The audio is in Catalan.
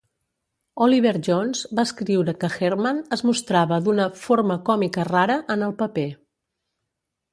Oliver Jones va escriure que Herrmann es mostrava d'una "forma còmica rara" en el paper.